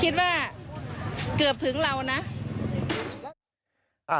คิดว่าเกือบถึงเรานะ